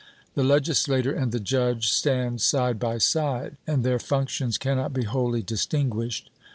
The legislator and the judge stand side by side, and their functions cannot be wholly distinguished.